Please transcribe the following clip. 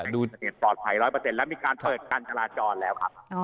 ดูปลอดภัย๑๐๐แล้วมีการเปิดการจราจรแล้วครับ